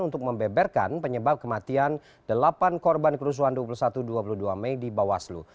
untuk membeberkan penyebab kematian delapan korban kerusuhan dua puluh satu dua puluh dua mei di bawaslu